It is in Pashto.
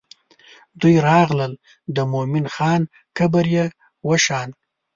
دوی راغلل د مومن خان قبر یې وشان.